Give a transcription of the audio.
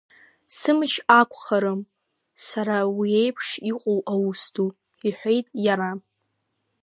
Сымч ақәхарым сара уи еиԥш иҟоу аус ду, — иҳәеит иара.